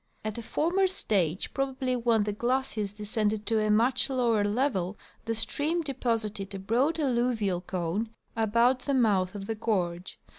At a former stage, probably when the glaciers descended to a much lower level, the stream deposited a broad alluvial cone about the mouth of the gorge.